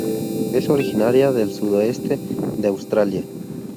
Es originaria del sudoeste de Australia.